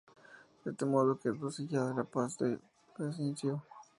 De este modo quedó sellada la paz con Bizancio.